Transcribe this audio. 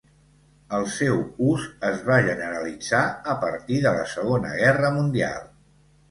El seu ús es va generalitzar a partir de la Segona Guerra Mundial.